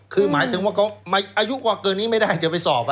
คือหมายถึงว่าเขาอายุกว่าเกินนี้ไม่ได้จะไปสอบ